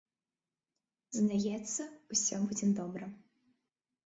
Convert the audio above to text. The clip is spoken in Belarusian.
Здаецца, усё будзе добра.